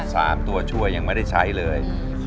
สามตัวช่วยยังไม่ได้ใช้เลย